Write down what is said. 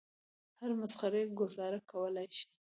هرې مسخرې ګوزاره کولای شي.